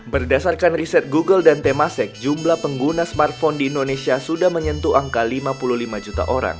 berdasarkan riset google dan temasek jumlah pengguna smartphone di indonesia sudah menyentuh angka lima puluh lima juta orang